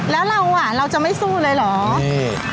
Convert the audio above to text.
แล้วเราอ่ะเราจะไม่สู้เลยเหรอ